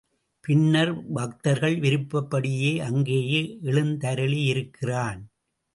பின்னர் பக்தர்கள் விருப்பப்படியே அங்கேயே எழுந்தருளியிருக்கிறான்.